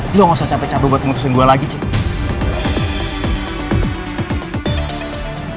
lo gak usah capek capek buat mutusin gue lagi cita